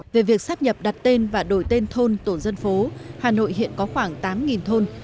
về việc sắp nhập đặt tên và đổi tên thôn tổ dân phố hà nội hiện có khoảng tám thôn